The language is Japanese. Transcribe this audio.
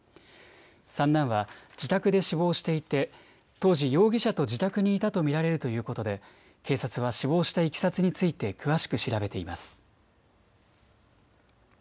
三男は自宅で死亡していて当時、容疑者と自宅にいたと見られるということで警察は死亡したいきさつについて詳しく調べています。